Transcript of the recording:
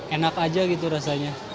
enak aja gitu rasanya